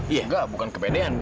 tidak bukan kepedean